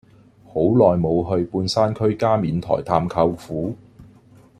好耐無去半山區加冕台探舅父